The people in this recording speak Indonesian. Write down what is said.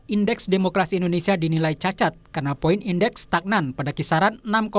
indeks demokrasi indonesia dinilai cacat karena poin indeks stagnan pada kisaran enam tujuh